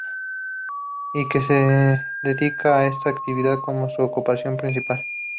Y que se dedica a esta actividad como su ocupación principal.